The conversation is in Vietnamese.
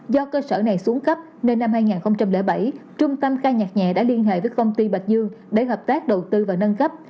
do cơ sở này xuống cấp nên năm hai nghìn bảy trung tâm ca nhạc nhẹ đã liên hệ với công ty bạch dương để hợp tác đầu tư và nâng cấp